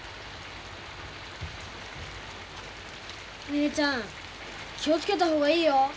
ねえちゃん気をつけた方がいいよ。